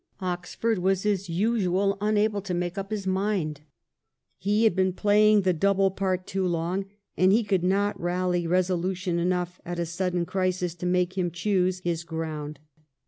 Oxford was as usual unable to make up his mind. He had been playing the double part too long, and he could not rally resolution enough at a sudden crisis to make him choose his 344 THE REIGN OF QUEEN ANNE. ch. xxxyii. ground.